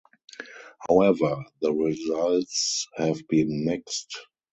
However, the results have been mixed.